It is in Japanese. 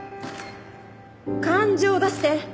感情を出して。